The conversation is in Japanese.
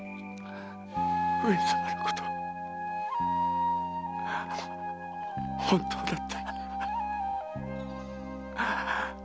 上様のことは本当だったな。